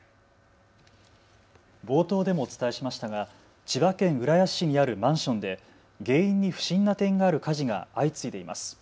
冒頭でもお伝えしましたが千葉県浦安市にあるマンションで原因に不審な点がある火事が相次いでいます。